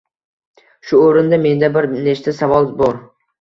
Shu o'rinda menda bir nechta savol bor: